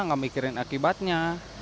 nggak mikirin akibatnya